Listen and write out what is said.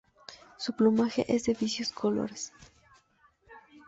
Su plumaje es de vivos colores.